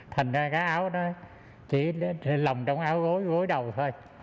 thành ra cái áo đó chỉ lồng trong áo gối đầu thôi